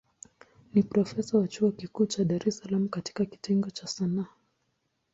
Ni profesa wa chuo kikuu cha Dar es Salaam katika kitengo cha Sanaa.